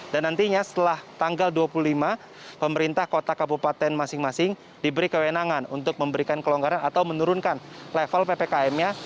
dan nantinya setelah tanggal dua puluh lima pemerintah kota kabupaten masing masing diberi kewenangan untuk memberikan kelonggaran atau menurunkan level ppkm nya